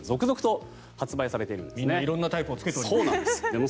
皆さん、色んなタイプを着けております。